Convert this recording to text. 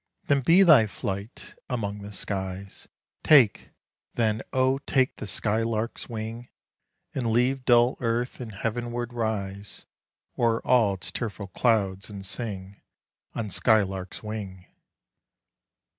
Then be thy flight among the skies: Take, then, oh! take the skylark's wing, And leave dull earth, and heavenward rise O'er all its tearful clouds, and sing On skylark's wing!